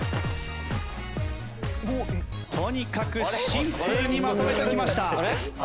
とにかくシンプルにまとめてきました。